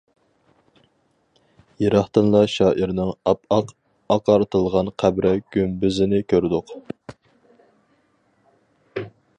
يىراقتىنلا شائىرنىڭ ئاپئاق ئاقارتىلغان قەبرە گۈمبىزىنى كۆردۇق.